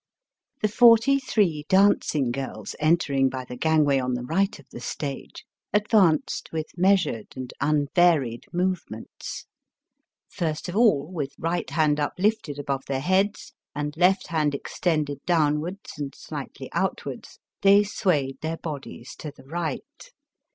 The forty three dancing girls entering by the gangway on the right of the stage advanced with measured and unvaried move ments. First of all, with right hand uplifted above their heads and left hand extended downwards and sUghtly outwards, they swayed their bodies to the right.